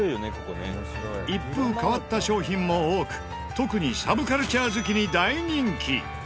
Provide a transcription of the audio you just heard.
一風変わった商品も多く特にサブカルチャー好きに大人気！